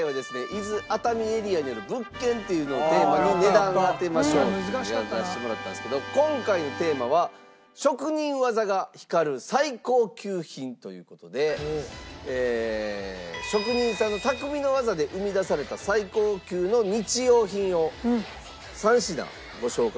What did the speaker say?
伊豆熱海エリアにある物件っていうのをテーマに値段当てましょうっていうのをやらせてもらったんですけど今回のテーマは職人技が光る最高級品という事で職人さんの匠の技で生み出された最高級の日用品を３品ご紹介致します。